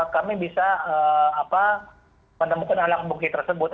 kami bisa menemukan alang bungki tersebut